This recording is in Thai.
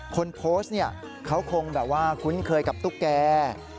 คนโพสต์เขาคงคุ้นเคยกับตุ๊กแก